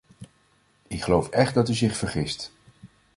Ik geloof echt dat u zich vergist.